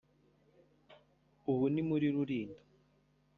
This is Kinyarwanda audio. ubu ni muri Rulindo